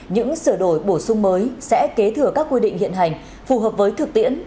những sửa đổi bổ sung mới sẽ kế thừa các quy định hiện hành phù hợp với thực tiễn